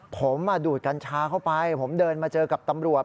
ผมดูดกัญชาเข้าไปผมเดินมาเจอกับตำรวจ